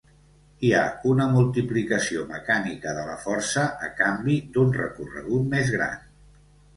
Hi ha una multiplicació mecànica de la força a canvi d'un recorregut més gran.